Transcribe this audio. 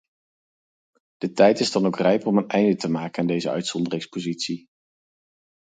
De tijd is dan ook rijp om een einde te maken aan deze uitzonderingspositie.